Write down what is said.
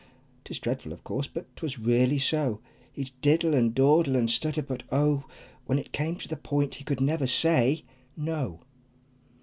'Tis dreadful, of course, but 'twas really so. He'd diddle, and dawdle, and stutter, but oh! When it came to the point he could never say "No!"